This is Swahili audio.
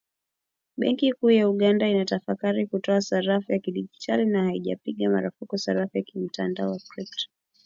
Benki kuu ya Uganda inatafakari kutoa sarafu ya kidigitali, na haijapiga marufuku sarafu ya kimtandao ya Krypto